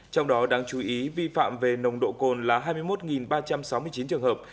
trong đó đáng chú ý vi phạm về nồng độ cồn là hai mươi một ba trăm sáu mươi chín trường hợp